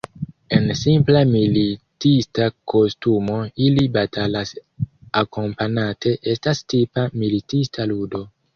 En simpla militista kostumo ili batalas akompanate estas tipa militista ludo.